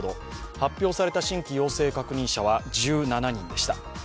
発表された新規陽性確認者は１７人でした。